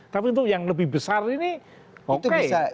tapi itu yang lebih besar ini okelah